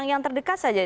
yang terdekat saja